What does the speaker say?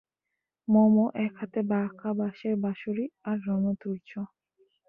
মম এক হাতে বাঁকা বাঁশের বাঁশরী আর রণ-তূর্য।